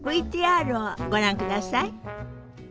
ＶＴＲをご覧ください。